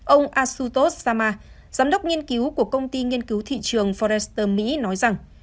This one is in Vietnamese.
ông asutosh sharma giám đốc nghiên cứu của công ty nghiên cứu thị trường forrester mỹ nói rằng